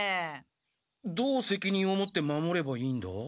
どう責任を持って守ればいいんだ？